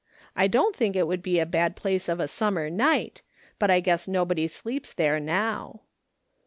I don't think it would be a bad place of a summer night ; but I guess nobody sleeps there now."